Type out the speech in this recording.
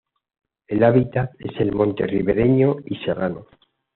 El hábitat es el monte ribereño y serrano.